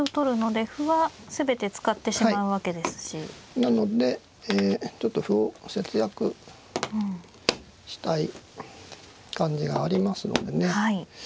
なのでちょっと歩を節約したい感じがありますのでね。